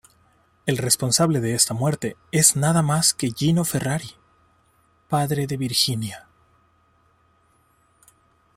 El responsable de esta muerte es nada más que Gino Ferrari, padre de Virginia.